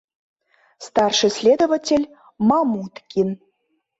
Старший следователь — Мамуткин»